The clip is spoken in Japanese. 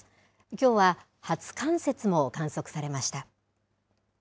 きょうは初冠雪も観測されました。